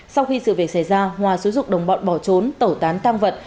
sau khi sự việc xảy ra hòa xứ dục đồng bọn bỏ trốn tẩu tán tăng vật